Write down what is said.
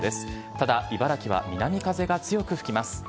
ただ、茨城は南風が強く吹きます。